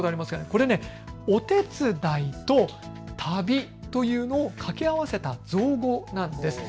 これはお手伝いと、旅というのを掛け合わせた造語なんです。